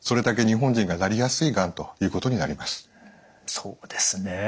そうですね。